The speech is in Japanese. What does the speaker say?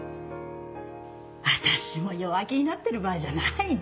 私も弱気になってる場合じゃないね。